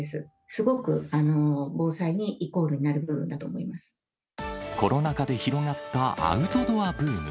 すごく防災にイコールになる部分コロナ禍で広がったアウトドアブーム。